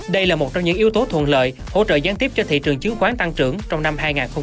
đây là một trong những yếu tố thuận lợi hỗ trợ gián tiếp cho thị trường chứng khoán tăng trưởng trong năm hai nghìn hai mươi